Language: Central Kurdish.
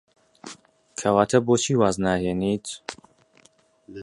کەواتە بۆچی واز ناهێنیت؟